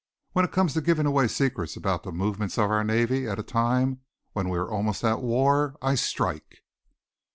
When it comes to giving away secrets about the movements of our navy at a time when we are almost at war, I strike."